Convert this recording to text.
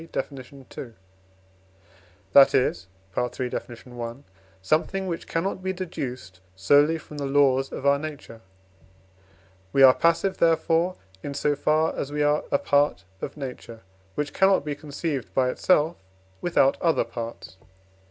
Def. ii.), that is (III. Def. i.), something which cannot be deduced solely from the laws of our nature. We are passive therefore, in so far as we are a part of Nature, which cannot be conceived by itself without other parts.